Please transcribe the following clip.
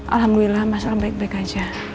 alhamdulillah masalah baik baik aja